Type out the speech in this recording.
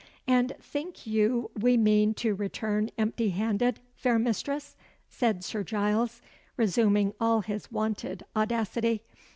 "And think you we mean to return empty handed, fair mistress?" said Sir Giles, resuming all his wonted audacity.